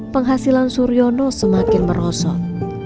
penghasilan suriono semakin merosot